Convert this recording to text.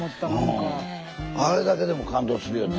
あれだけでも感動するよね。